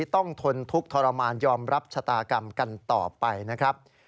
ต้องทนทุกข์ทรมานยอมรับชะตากรรมกันต่อไปนะครับ